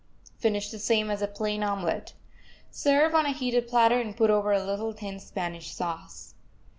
Finish the same as a plain omelet. Serve on a heated platter and put over a little thin Spanish sauce.